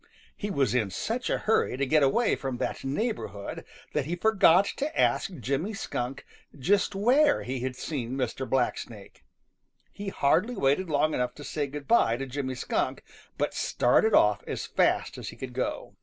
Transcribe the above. He was in such a hurry to get away from that neighborhood that he forgot to ask Jimmy Skunk just where he had seen Mr. Blacksnake. He hardly waited long enough to say good by to Jimmy Skunk, but started off as fast as he could go.